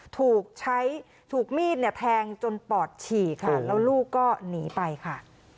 ถูกใช้ถูกมีดเนี่ยแทงจนปอดฉี่ค่ะแล้วลูกก็หนีไปค่ะ